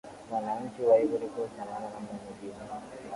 wananchi wa ivory coast hawana namna nyingine